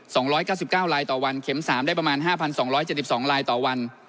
สองร้อยเก้าสิบเก้าลายต่อวันเข็มสามได้ประมาณห้าพันสองร้อยเจ็ดสิบสองลายต่อวัน